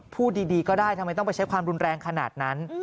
พูดดีก็ได้ทำไมต้องไปใช้ความรุนแรงขนาดนั้น